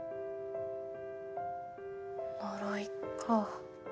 呪いか。